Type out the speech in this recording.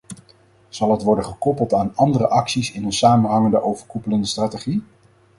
Zal het worden gekoppeld aan andere acties in een samenhangende, overkoepelende strategie?